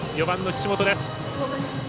４番の岸本です。